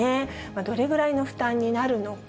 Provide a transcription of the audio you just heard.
どれぐらいの負担になるのか。